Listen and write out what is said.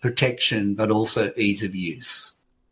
pertahanan dan juga kemudahan penggunaan